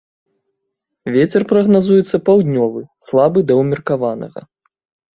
Вецер прагназуецца паўднёвы слабы да ўмеркаванага.